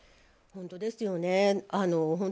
本当ですよね。